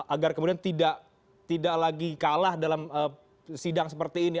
agar kemudian tidak lagi kalah dalam sidang seperti ini